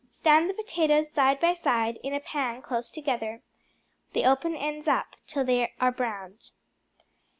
Stand the potatoes side by side in a pan close together, the open ends up, till they are browned.